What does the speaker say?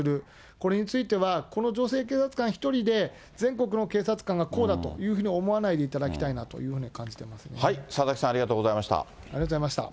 これについては、この女性警察官一人で、全国の警察官がこうだというふうに思わないでいただきたいという佐々木さん、ありがとうござありがとうございました。